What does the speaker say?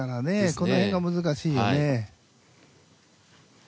このへんが難しいよね。